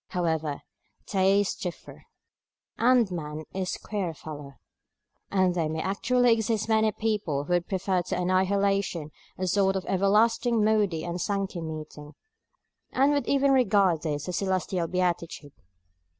However, tastes differ, and man is a queer fellow; and there may actually exist many people who would prefer to annihilation a sort of everlasting Moody and Sankey meeting, and would even regard this as celestial beatitude.